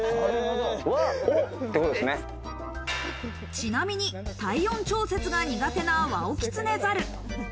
ちなみに体温調節が苦手なワオキツネザル。